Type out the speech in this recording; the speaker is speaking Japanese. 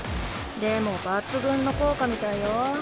でも抜群の効果みたいよ。